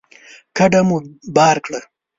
کډه مو بار کړه